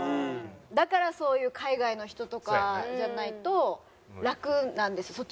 だからそういう海外の人とかじゃないと。楽なんです